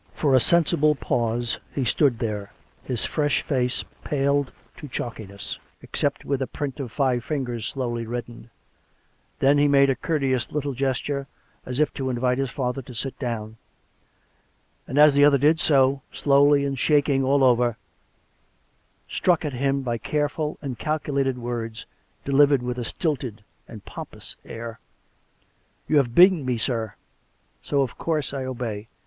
For a sensible pause he stood there, his fresh face paled to chalkiness, except where the print of five fingers slowly reddened. Then he made a courteous little gesture, as if to invite his father to sit down ; and as the other did so, slowly and shaking all over, struck at him by careful and calculated words, delivered with a stilted and pompous air: " You have beaten me, sir ; so, of course, I obey.